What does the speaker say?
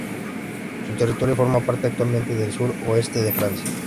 Su territorio forma parte actualmente del sur-oeste de Francia.